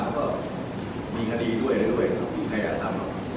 แล้วก็มีคดีด้วยไว้ด้วยมีใครอาจทำ